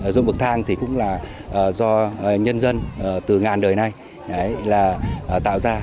giống bậc thang thì cũng là do nhân dân từ ngàn đời nay là tạo ra